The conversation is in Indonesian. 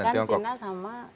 terima kasih pak